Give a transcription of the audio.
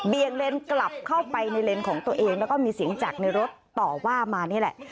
เลนกลับเข้าไปในเลนส์ของตัวเองแล้วก็มีเสียงจากในรถต่อว่ามานี่แหละ